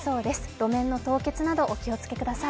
路面の凍結などお気をつけください。